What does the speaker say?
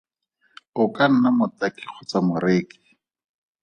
O ka nna motaki kgotsa moreki!